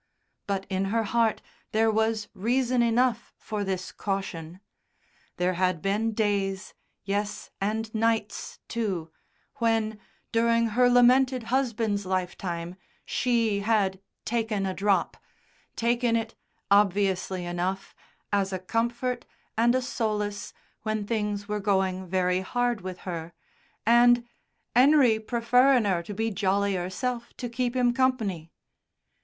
But in her heart there was reason enough for this caution; there had been days yes, and nights too when, during her lamented husband's lifetime, she had "taken a drop," taken it, obviously enough, as a comfort, and a solace when things were going very hard with her, and "'Enery preferrin' 'er to be jolly 'erself to keep 'im company."